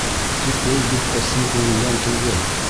Тик ул бит ысын күңелдән түгел!